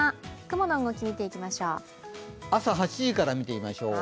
朝８時から見ていきましょう。